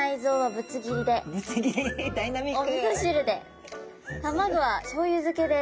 ぶつ切りダイナミック！